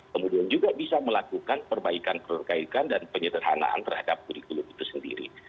kemudian juga bisa melakukan perbaikan peruraikan dan penyederhanaan terhadap kurikulum itu sendiri